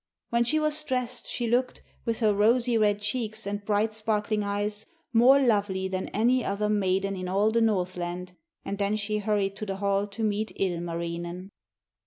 When she was dressed she looked, with her rosy red cheeks and bright sparkling eyes, more lovely than any other maiden in all the Northland, and then she hurried to the hall to meet Ilmarinen.